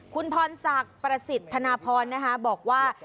คุณพรศักดิ์ประสิทธิ์ธนพรนะคะบอกว่า